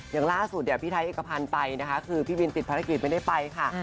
อย่างล่าสุดเนี่ยพี่ไทยเอกพันธ์ไปนะคะคือพี่บินติดภารกิจไม่ได้ไปค่ะ